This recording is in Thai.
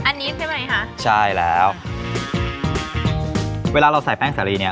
อันนี้ใช่ไหมคะใช่แล้วเวลาเราใส่แป้งสาลีเนี้ย